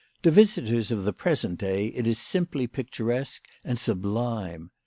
To visitors of the present day it is simply picturesque and sublime.